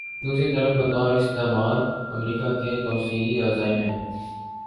دوسری طرف بطور استعمار، امریکہ کے توسیعی عزائم ہیں۔